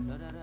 dah dah dah